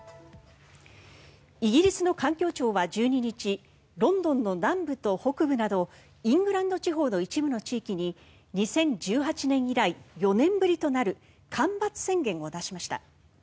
イギリスの環境庁は１２日ロンドンの南部と北部などイングランド地方の一部の地域に２０１８年以来４年ぶりとなる干ばつ宣言を出しました。